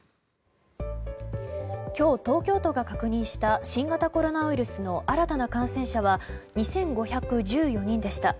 今日、東京都が確認した新型コロナウイルスの新たな感染者は２５１４人でした。